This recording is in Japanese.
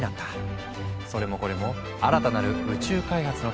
それもこれも新たなる宇宙開発のためだっていうのよ。